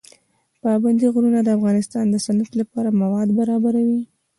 پابندی غرونه د افغانستان د صنعت لپاره مواد برابروي.